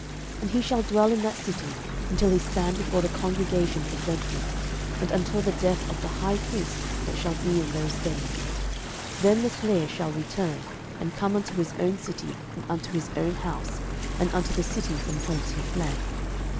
06:020:006 And he shall dwell in that city, until he stand before the congregation for judgment, and until the death of the high priest that shall be in those days: then shall the slayer return, and come unto his own city, and unto his own house, unto the city from whence he fled.